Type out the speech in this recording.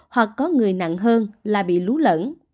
hoặc có người nặng hơn là bị lú lẫn